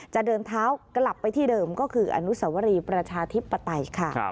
จะเดินเท้ากลับไปที่เดิมก็คืออนุสวรีประชาธิปไตยค่ะ